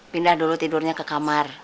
pindah dulu tidurnya ke kamar